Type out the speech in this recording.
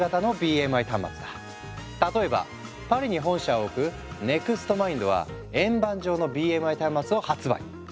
例えばパリに本社を置くＮｅｘｔＭｉｎｄは円盤状のＢＭＩ端末を発売。